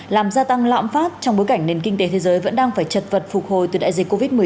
làm gia tăng lạm phát trong bối cảnh nền kinh tế thế giới vẫn đang phải chật vật phục hồi từ đại dịch covid một mươi chín